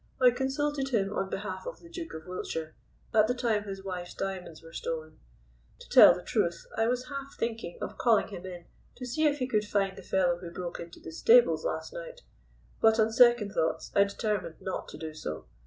"I consulted him on behalf of the Duke of Wiltshire at the time his wife's diamonds were stolen. To tell the truth, I was half thinking of calling him in to see if he could find the fellow who broke into the stables last night, but on second thoughts I determined not to do so.